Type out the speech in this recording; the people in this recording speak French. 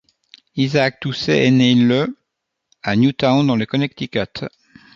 Isaac Toucey est né le à Newtown dans le Connecticut.